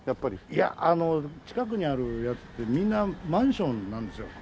いや近くにあるやつってみんなマンションなんですよ。